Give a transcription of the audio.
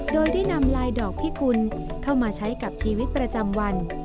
โดยได้นำลายดอกพิกุลเข้ามาใช้กับชีวิตประจำวัน